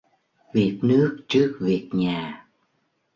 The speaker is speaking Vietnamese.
Việc nước trước việc nhà.